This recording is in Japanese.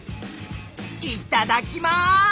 いただきます！